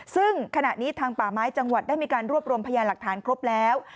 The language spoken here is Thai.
ซึ่งขณะนี้ทางป่าไม้จังหวัดได้มีการรวบรวมพยานหลักฐานครบแล้ว